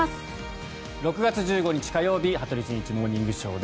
６月１５日、火曜日「羽鳥慎一モーニングショー」。